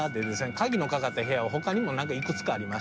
鍵のかかった部屋は他にもいくつかありまして。